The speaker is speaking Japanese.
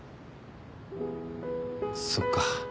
そっか。